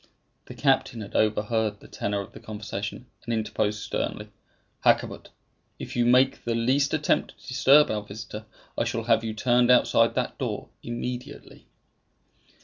The captain had overheard the tenor of the conversation, and interposed sternly, "Hakkabut! if you make the least attempt to disturb our visitor, I shall have you turned outside that door immediately."